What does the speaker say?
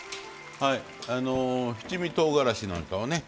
七味とうがらしなんかをね